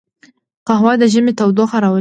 قهوه د ژمي تودوخه راولي